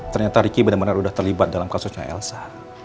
ternyata ricky benar benar sudah terlibat dalam kasusnya elsa